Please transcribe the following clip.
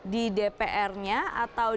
di dpr nya atau